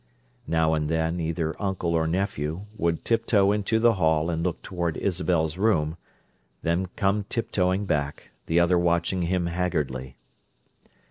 Now and then, either uncle or nephew would tiptoe into the hall and look toward Isabel's room, then come tiptoeing back, the other watching him haggardly.